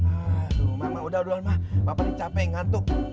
aduh ma ma udah udah ma ma paling capek ngantuk